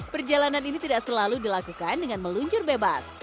perjalanan ini tidak selalu dilakukan dengan meluncur bebas